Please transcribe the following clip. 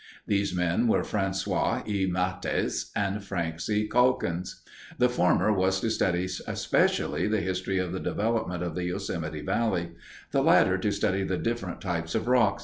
These men were François E. Matthes and Frank C. Calkins. The former was to study especially the history of the development of the Yosemite Valley; the latter to study the different types of rock.